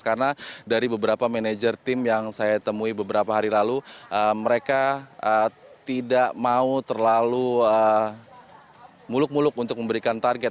karena dari beberapa manager tim yang saya temui beberapa hari lalu mereka tidak mau terlalu muluk muluk untuk memberikan target